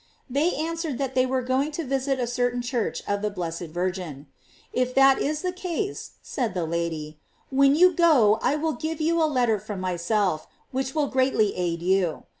They answered that they were going to visit a certain church of the blessed Virgin. If that is the case, said the Lady, when you go I will give you a letter from myself, which will greatly aid you.